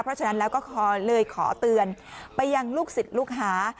เพราะฉะนั้นแล้วก็ขอเลยขอเตือนไปยังลูกศิษย์ลูกหา